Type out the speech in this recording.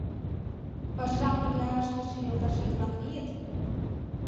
— Пашам пырля ыштыше йолташет-влак лийыт?